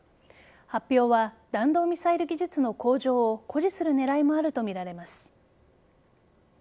発表は弾道ミサイル技術の向上を誇示する狙いもあるとみられます。